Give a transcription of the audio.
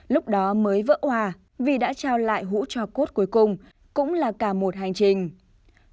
lúc đó mới vỡ hòa vì đã trao lại hũ cho cốt cuối cùng cũng là cả một hành trình